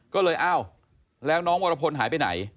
ก็เลยอ้าวแล้วน้องวรพลหายไปไหน